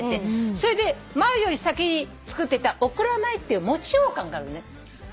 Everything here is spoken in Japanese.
それでまゆより先に作ってたお蔵米っていう餅ようかんがあるのね。